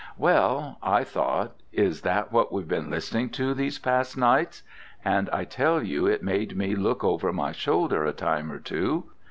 Well, I thought, is that what we've been listening to these past nights? and I tell you it made me look over my shoulder a time or two.